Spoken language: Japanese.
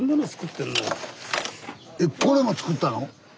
えっこれも作ったの？